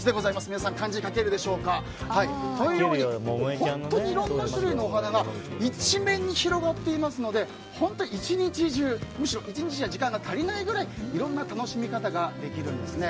皆さん、漢字書けるでしょうか。というように、本当にいろんな種類のお花が一面に広がっていますので本当に１日中むしろ１日じゃ時間が足りないくらいいろんな楽しみ方ができるんです。